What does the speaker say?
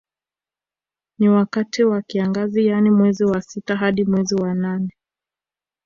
Ni wakati wa kiangazi yani mwezi wa sita hadi mwezi wa nane